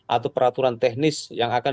atau peraturan teknis yang akan